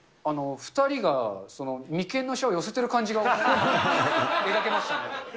２人が眉間のしわを寄せてる感じが描けましたね。